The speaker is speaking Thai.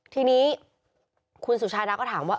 ทีนี้คุณสุชาดาก็ถามว่า